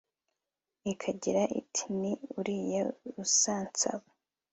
ikagira iti 'ni uriya usansaba'